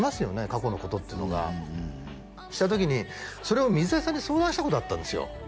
過去のことっていうのがした時にそれを水谷さんに相談したことあったんですよ